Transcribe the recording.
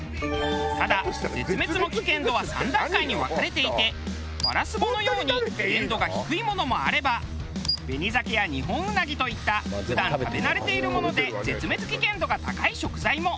ただ絶滅の危険度は３段階に分かれていてワラスボのように危険度が低いものもあればベニザケやニホンウナギといった普段食べ慣れているもので絶滅危険度が高い食材も。